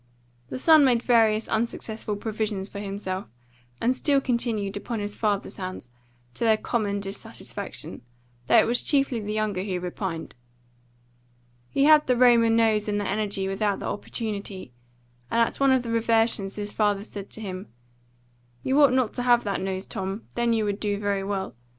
The son made various unsuccessful provisions for himself, and still continued upon his father's hands, to their common dissatisfaction, though it was chiefly the younger who repined. He had the Roman nose and the energy without the opportunity, and at one of the reversions his father said to him, "You ought not to have that nose, Tom; then you would do very well.